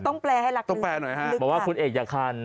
ก็ต้องแปลให้ลักษณ์ลึกค่ะต้องแปลหน่อยค่ะบอกว่าคุณเอกอยากคัน